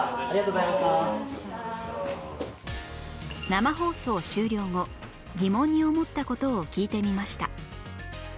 生放送終了後疑問に思った事を聞いてみました